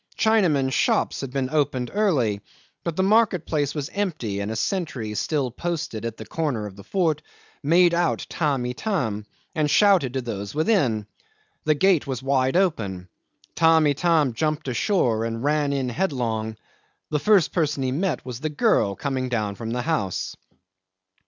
Chinamen's shops had been opened early; but the market place was empty, and a sentry, still posted at the corner of the fort, made out Tamb' Itam, and shouted to those within. The gate was wide open. Tamb' Itam jumped ashore and ran in headlong. The first person he met was the girl coming down from the house.